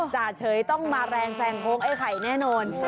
จ่าเฉยต้องมาแรงแซงโค้งไอ้ไข่แน่นอน